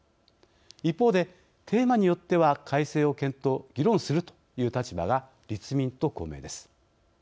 一方で、テーマによっては改正を検討、議論するという立場が、立民と公明です。